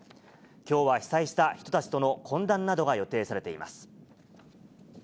きょうは被災した人たちとの懇談などが予定されています。